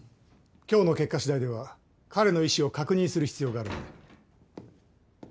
今日の結果しだいでは彼の意思を確認する必要があるので。